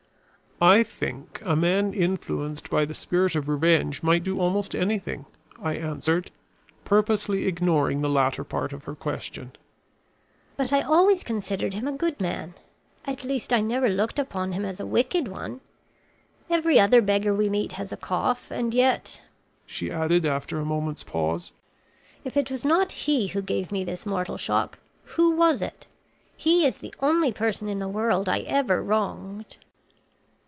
"I think a man influenced by the spirit of revenge might do almost anything," I answered, purposely ignoring the latter part of her question. "But I always considered him a good man. At least I never looked upon him as a wicked one. Every other beggar we meet has a cough; and yet," she added after a moment's pause, "if it was not he who gave me this mortal shock, who was it? He is the only person in the world I ever wronged."